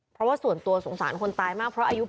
เป็นส่วนมากเลย